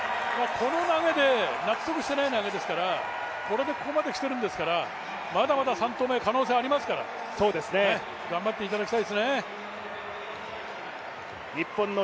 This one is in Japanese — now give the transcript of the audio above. この投げで、納得してない投げですから、これでここまできてるんですからまだまだ３投目、可能性ありますから頑張っていただきたいですね。